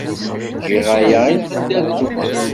Giɣ aya i lmendad-nwen.